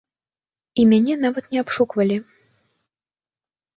І мяне нават не абшуквалі.